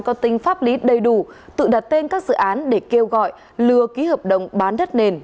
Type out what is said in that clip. có tính pháp lý đầy đủ tự đặt tên các dự án để kêu gọi lừa ký hợp đồng bán đất nền